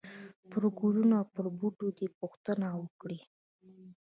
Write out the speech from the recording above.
پرګلونو او پر بوټو دي، پوښتنه وکړئ !!!